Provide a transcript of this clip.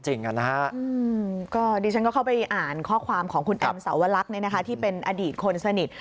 ดิฉันก็เข้าไปอ่านข้อความของคุณแอมสาวลักษณ์ที่เป็นอดีตคนสนิท